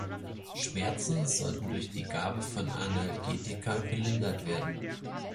Schmerzen sollten durch die Gabe von Analgetika gelindert werden.